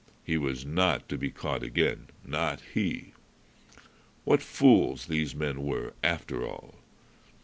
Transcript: He was not to be caught again, not he. What fools these men were, after all!